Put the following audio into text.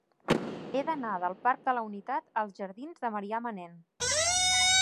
He d'anar del parc de la Unitat als jardins de Marià Manent.